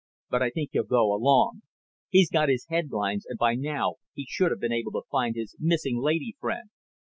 But I think he'll go along. He's got his headlines and by now he should have been able to find his missing lady friend.